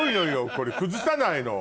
これ崩さないの。